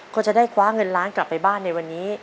ก็จะได้คว้าเงินล้านกลับไปบ้านในวันนี้